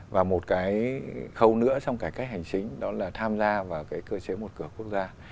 và một cái khâu nữa trong cải cách hành chính đó là tham gia vào cái cơ chế một cửa quốc gia